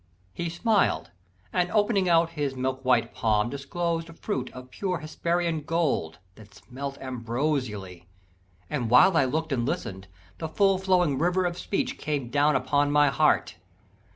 He smiled, and opening out his milk white palm Disclosed a fruit of pure Hesperian gold, That smelt ambrosially, and while I look'd And listen'd, the full flowing river of speech Came down upon my heart.